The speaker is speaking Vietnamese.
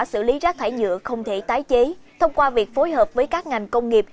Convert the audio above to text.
xử lý rác thải nhựa không thể tái chế thông qua việc phối hợp với các ngành công nghiệp